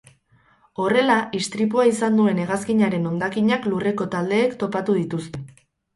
Horrela, istripua izan duen hegazkinaren hondakinak lurreko taldeek topatu dituzte.